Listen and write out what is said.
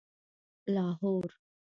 لاهور